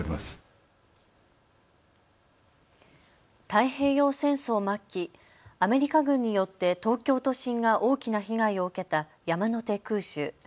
太平洋戦争末期、アメリカ軍によって東京都心が大きな被害を受けた山の手空襲。